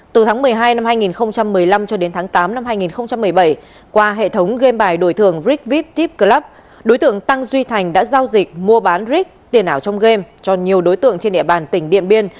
từ tháng một mươi hai năm hai nghìn một mươi năm cho đến tháng tám năm hai nghìn một mươi bảy qua hệ thống game bài đổi thường rig vip tip club đối tượng tăng duy thành đã giao dịch mua bán rig tiền ảo trong game cho nhiều đối tượng trên địa bàn tỉnh điện biên